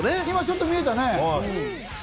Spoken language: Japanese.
今ちょっと見えたね。